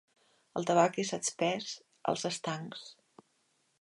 El tabac és expès als estancs.